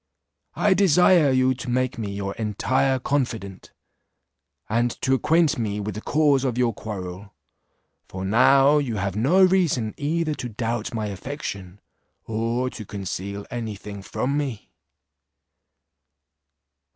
I desire you to make me your entire confidant, and to acquaint me with the cause of your quarrel; for now you have no reason either to doubt my affection, or to conceal any thing from me."